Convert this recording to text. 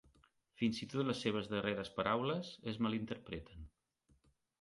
Fins i tot les seves darreres paraules es mal interpreten.